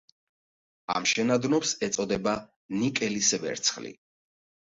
ამ შენადნობს ეწოდება ნიკელის ვერცხლი.